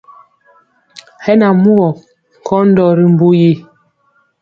Hɛ na mugɔ nkɔndɔ ri mbu yi.